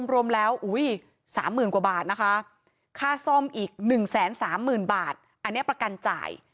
รวมแล้ว๓๐๐๐กว่าบาทนะคะค่าซ่อมอีก๑๓๐๐๐บาทอันนี้ประกันจ่าย